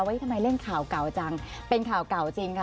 ทำไมเล่นข่าวเก่าจังเป็นข่าวเก่าจริงค่ะ